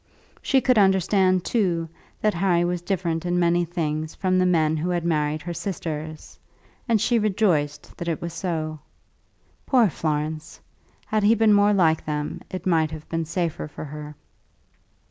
She could understand, too, that Harry was different in many things from the men who had married her sisters, and she rejoiced that it was so. Poor Florence! Had he been more like them it might have been safer for her.